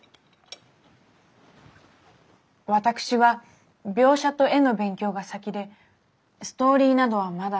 私は描写と絵の勉強が先でストーリーなどはまだ。